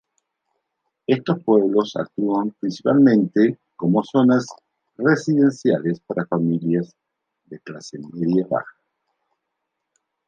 Estos pueblos actúan principalmente como zonas residenciales para familias de clase media-baja.